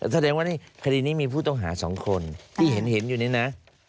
แสดงว่าในคดีนี้มีผู้ต้องหา๒คนที่เห็นอยู่นี่นะ